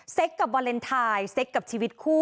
กับวาเลนไทยเซ็กกับชีวิตคู่